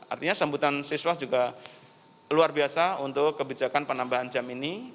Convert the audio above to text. artinya sambutan siswa juga luar biasa untuk kebijakan penambahan jam ini